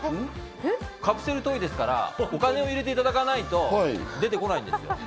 カプセルトイですから、お金を入れていただかないと出てこないんです。